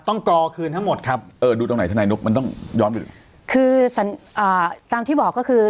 กอคืนทั้งหมดครับเออดูตรงไหนทนายนุ๊กมันต้องย้อนไปดูคืออ่าตามที่บอกก็คือ